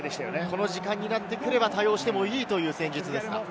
この時間になってくれば、多用してもいい戦術ですか？